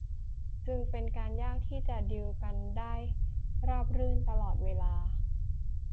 จึงเป็นการยากที่จะดีลกันได้ราบรื่นตลอดเวลา